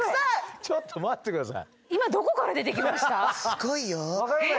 ちょっと待って下さい。